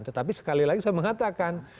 tetapi sekali lagi saya mengatakan